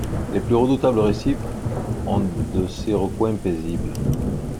Les plus redoutables récifs ont de ces recoins paisibles.